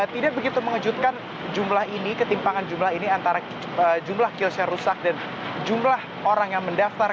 tidak begitu mengejutkan jumlah ini ketimpangan jumlah ini antara jumlah kios yang rusak dan jumlah orang yang mendaftar